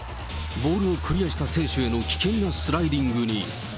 ボールをクリアした選手への危険なスライディングに。